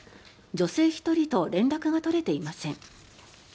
女性１人と連絡が取れていません。